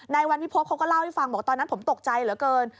นายวันพิพบเขาก็เล่าให้ฟังบอกตอนนั้นผมตกใจเหลือเกิน